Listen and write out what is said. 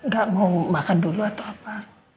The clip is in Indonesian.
gak mau makan dulu atau apa